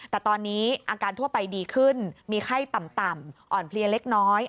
แต่ตอนนี้อาการทั่วไปดีขึ้นมีไข้ต่ำอ่อนเพลียเล็กน้อย